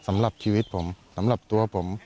สำหรับชีวิตผมสำหรับตัวผม